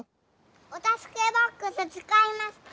おたすけボックスつかいますか？